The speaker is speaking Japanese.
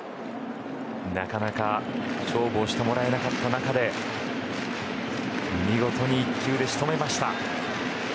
なかなか勝負をしてもらえなかった中で見事に１球で仕留めました。